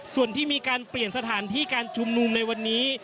ส่วนที่มีการเปลี่ยนสถานที่การชุมนุมในวันนี้